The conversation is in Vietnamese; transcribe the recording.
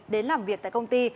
đến làm việc tại công ty